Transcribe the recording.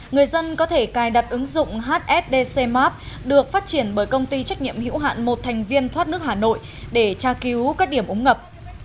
người dân có thể cài đặt ứng dụng hsdc map được phát triển bởi công ty trách nhiệm hữu hạn một thành viên thoát nước hà nội để tra cứu các điểm ống ngập